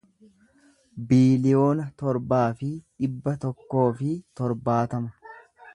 biiliyoona torbaa fi dhibba tokkoo fi torbaatama